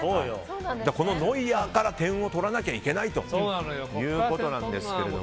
ノイアーから点を取らなきゃいけないということですけど。